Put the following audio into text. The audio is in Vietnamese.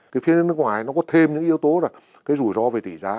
từ phía nước ngoài nó có thêm những yếu tố là cái rủi ro về tỷ giá